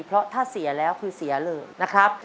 เพราะถ้าเสียแล้วคือเสียเลยนะครับ